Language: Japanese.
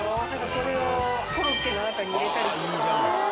これをコロッケの中に入れたりとか。